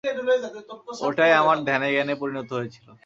ওটাই আমার ধ্যান-জ্ঞানে পরিণত হয়েছিল।